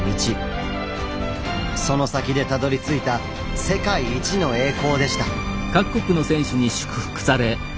その先でたどりついた世界一の栄光でした。